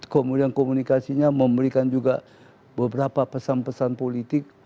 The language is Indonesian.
kemudian komunikasinya memberikan juga beberapa pesan pesan politik